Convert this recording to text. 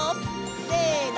せの！